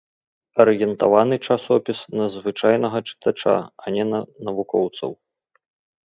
Арыентаваны часопіс на звычайнага чытача, а не на навукоўцаў.